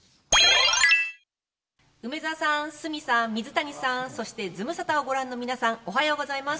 梅澤さん、鷲見さん、水谷さん、そしてズムサタをご覧の皆さん、おはようございます。